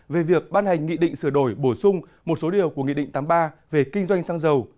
về việc ban hành nghị định sửa đổi bổ sung một số điều của nghị định tám mươi ba về kinh doanh xăng dầu